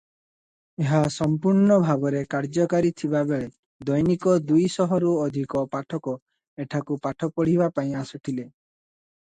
ଏହା ସମ୍ପୂର୍ଣ୍ଣ ଭାବରେ କାର୍ଯ୍ୟକାରୀ ଥିବା ବେଳେ ଦୈନିକ ଦୁଇ ଶହରୁ ଅଧିକ ପାଠକ ଏଠାକୁ ପଢ଼ିବା ପାଇଁ ଆସୁଥିଲେ ।